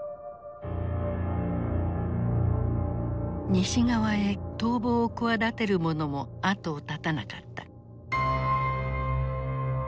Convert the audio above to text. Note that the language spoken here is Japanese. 西側へ逃亡を企てる者も後を絶たなかった。